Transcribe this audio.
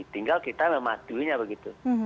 tinggal kita mematuhinya begitu